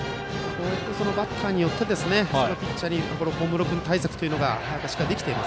バッターによってピッチャーの小室君対策というのがしっかりできています。